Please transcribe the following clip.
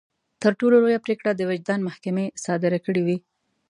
تر ټولو لويه پرېکړه د وجدان محکمې صادره کړې وي.